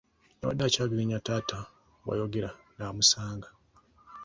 Yabadde akyageegenya taata bw'ayogera n'amusanga.